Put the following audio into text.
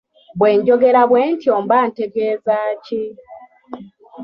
Bwe njogera bwe ntyo mba ntegeeza ki?